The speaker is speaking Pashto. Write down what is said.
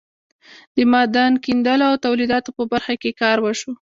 د معدن کیندلو او تولیداتو په برخه کې کار وشو.